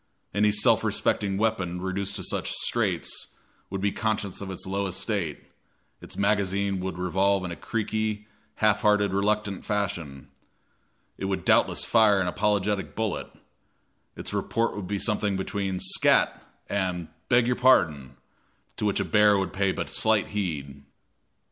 Any self respecting weapon reduced to such straits would be conscious of its low estate; its magazine would revolve in a creaky, half hearted, reluctant fashion; it would doubtless fire an apologetic bullet; its report would be something between "scat" and "beg your pardon," to which a bear would pay but slight heed.